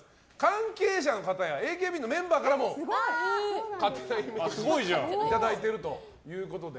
関係者の方やＡＫＢのメンバーからも勝手なイメージいただいているということで。